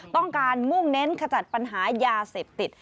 ต้องการมุ่งเน้นขจัดปัญหายาเสพติด